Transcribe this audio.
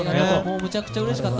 めちゃくちゃうれしかった。